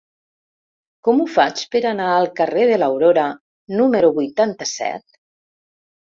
Com ho faig per anar al carrer de l'Aurora número vuitanta-set?